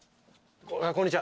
こんにちは。